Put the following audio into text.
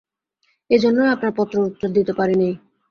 এইজন্যই আপনার পত্রের উত্তর দিতে পারি নাই।